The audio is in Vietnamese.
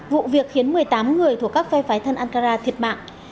vụ việc khiến một mươi tám người thuộc các phe phái thân ankara thiệt mạng